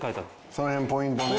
その辺ポイントね。